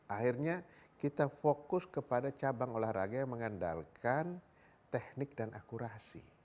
akhirnya kita fokus kepada cabang olahraga yang mengandalkan teknik dan akurasi